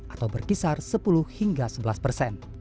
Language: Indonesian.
atau berkisar sepuluh hingga sebelas persen